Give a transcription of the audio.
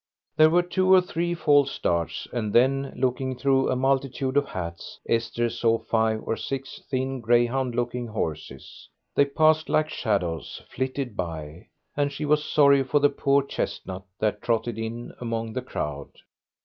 There were two or three false starts, and then, looking through a multitude of hats, Esther saw five or six thin greyhound looking horses. They passed like shadows, flitted by; and she was sorry for the poor chestnut that trotted in among the crowd.